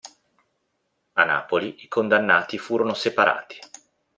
A Napoli i condannati furono separati.